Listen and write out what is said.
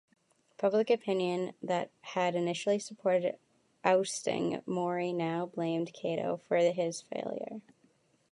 Public opinion that had initially supported ousting Mori now blamed Kato for his failure.